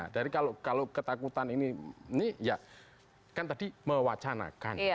dari kalau ketakutan ini ini ya kan tadi mewacanakan